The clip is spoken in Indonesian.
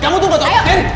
kamu tuh gak tau